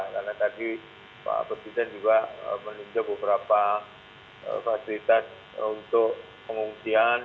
karena tadi pak presiden juga menunjuk beberapa fasilitas untuk pengungsian